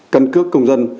căn cứ công dân